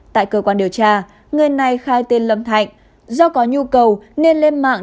tại cơ quan điều tra người này khai tên lâm thạnh do có nhu cầu nên lên mạng